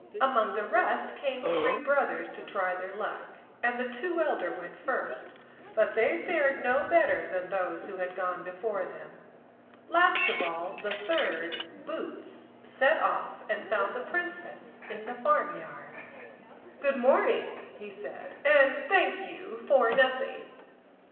Among the rest came three brothers to try their luck, and the two elder went first, but they fared no better than those who had gone before them. Last of all the third, Boots, set off and found the Princess in the farm yard. "Good morning", he said, "and thank you for nothing."